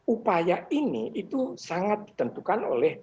upaya ini itu sangat ditentukan oleh